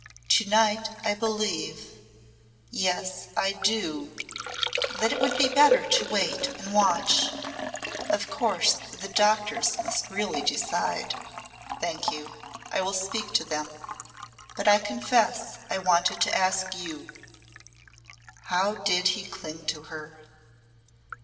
"To night I believe yes, I do that it would be better to wait and watch. Of course the doctors must really decide." "Thank you. I will speak to them. But I confess I wanted to ask you." How he did cling to her!